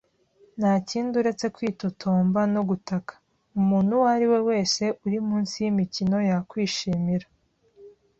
ntakindi uretse kwitotomba no gutaka. Umuntu uwo ari we wese uri munsi yimikino yakwishimira